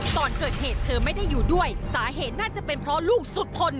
ก่อนเกิดเหตุเธอไม่ได้อยู่ด้วยสาเหตุน่าจะเป็นเพราะลูกสุดทน